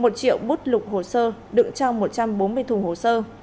một triệu bút lục hồ sơ đựng trong một trăm bốn mươi thùng hồ sơ